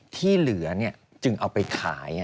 ที่เหลือเนี่ยจึงเอาไปขาย